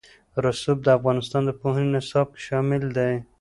رسوب د افغانستان د پوهنې نصاب کې شامل دي.